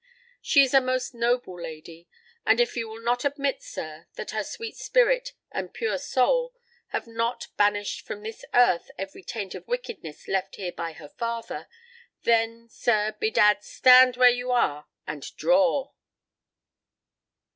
She is a most noble lady; and if you will not admit, sir, that her sweet spirit and pure soul have not banished from this earth every taint of wickedness left here by her father, then, sir, bedad, stand where you are and draw!"